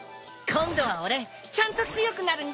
今度は俺ちゃんと強くなるんだ。